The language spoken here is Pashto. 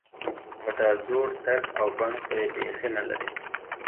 په دا زوړ طرز او بڼه خو یې بېخي نلري.